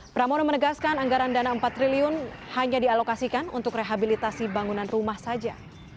pramono menegaskan anggaran dana empat triliun hanya dialokasikan untuk rehabilitasi bangunan rumah saja